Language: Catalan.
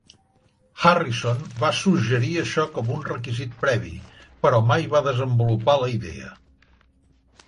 Harrison va suggerir això com un requisit previ, però mai va desenvolupar la idea.